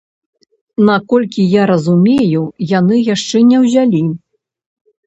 Наколькі я разумею, яны яшчэ не ўзялі.